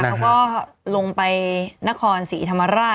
เขาก็ลงไปนครศรีธรรมราช